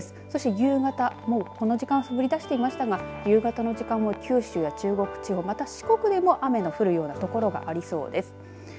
そして夕方もうこの時間降り出していましたが夕方の時間も、九州や中国地方、また四国でも雨の降る所がありそうです。